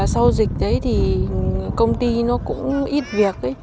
sau dịch đấy thì công ty nó cũng ít việc